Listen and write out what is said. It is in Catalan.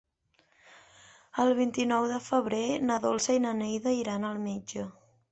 El vint-i-nou de febrer na Dolça i na Neida iran al metge.